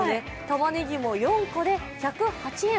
たまねぎも４個で１０８円。